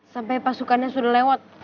sampai pasukannya sudah lewat